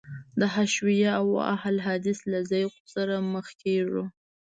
د حشویه او اهل حدیث له ذوق سره مخ کېږو.